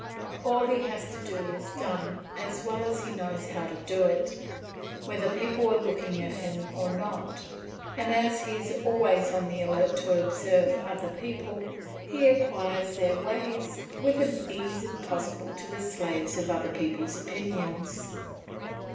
All he has to do is done as well as he knows how to do it, whether people are looking at him or not; and as he is always on the alert to observe other people, he acquires their ways with an ease impossible to the slaves of other people's opinions.